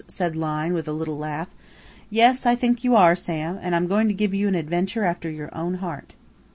said Lyne with a little laugh. "Yes, I think you are, Sam, and I'm going to give you an adventure after your own heart."